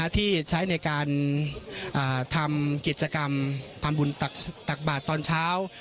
ที่ใช้ในการทำกิจกรรมทำบุญตักบาทตอนเช้า